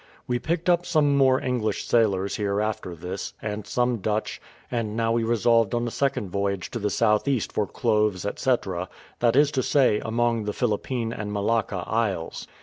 We picked up some more English sailors here after this, and some Dutch, and now we resolved on a second voyage to the south east for cloves, &c. that is to say, among the Philippine and Malacca isles.